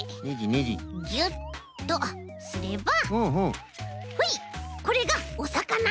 ギュッとすればほいこれがおさかな！